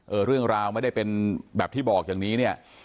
เรื่องราวไม่ได้เป็นแบบที่บอกอย่างนี้เนี่ย